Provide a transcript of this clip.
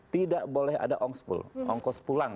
tidak boleh ada ongkos pulang